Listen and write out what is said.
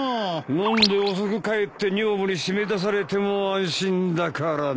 飲んで遅く帰って女房に閉め出されても安心だからね。